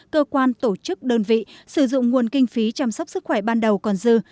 cơ quan tổ chức đơn vị sử dụng nguồn kinh phí chăm sóc sức khỏe ban đầu còn dư